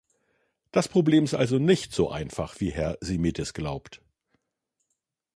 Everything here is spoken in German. Das Problem ist also nicht so einfach wie Herr Simitis glaubt.